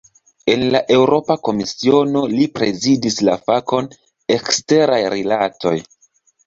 En la Eŭropa Komisiono, li prezidis la fakon "eksteraj rilatoj".